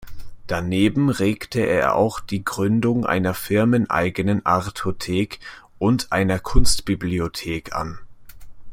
Daneben regte er auch die Gründung einer firmeneigenen Artothek und einer Kunstbibliothek an.